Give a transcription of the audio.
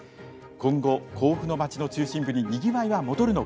今後甲府の街の中心部ににぎわいは戻るのか。